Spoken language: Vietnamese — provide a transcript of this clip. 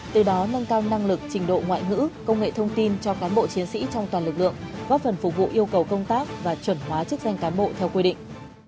từ đó nâng cao năng lực trình độ ngoại ngữ công nghệ thông tin cho cán bộ chiến sĩ trong toàn lực lượng góp phần phục vụ yêu cầu công tác và chuẩn hóa chức danh cán bộ theo quy định